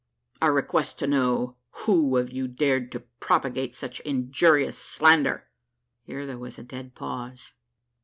I request to know who of you dared to propagate such injurious slander?" (Here there was a dead pause.)